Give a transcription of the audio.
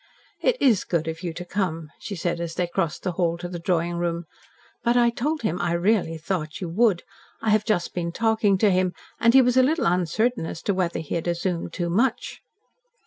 "It is good of you to come," she said, as they crossed the hall to the drawing room. "But I told him I really thought you would. I have just been talking to him, and he was a little uncertain as to whether he had assumed too much."